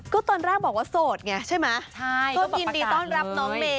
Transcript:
ก็ตอนแรกบอกว่าโสดไงใช่ไหมก็ยินดีต้อนรับน้องเมย